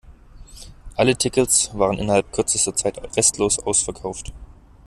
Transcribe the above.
Alle Tickets waren innerhalb kürzester Zeit restlos ausverkauft.